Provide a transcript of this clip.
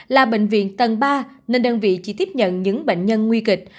là bệnh viện tầng ba nên đơn vị chỉ tiếp nhận những bệnh nhân nguy kịch